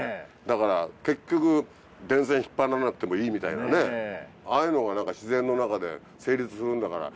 だから結局電線引っ張らなくてもいいみたいな。ああいうのが自然の中で成立するんだから。